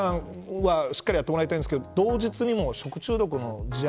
ただ吉田屋さんは、しっかりやってもらいたいんですけど同日にも食中毒の事案